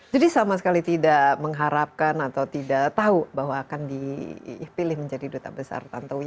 jadi sama sekali tidak mengharapkan atau tidak tahu bahwa akan dipilih menjadi duta besar tantowi